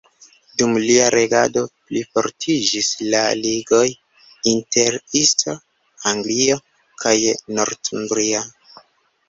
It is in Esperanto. Dum lia regado plifortiĝis la ligoj inter East Anglia kaj Northumbria.